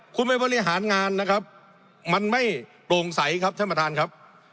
คุณไปบริหารงานนะครับมันไม่โปร่งใสครับท่านประธานครับ